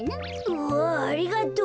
うわありがとう。